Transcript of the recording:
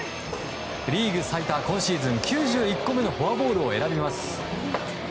リーグ最多今シーズン９１個目のフォアボールを選びます。